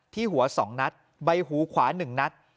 ที่หัว๒นัดใบหูขวา๑นัด